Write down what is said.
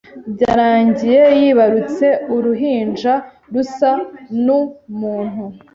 byarangiye yibarutse uruhinja rusa nu muntu.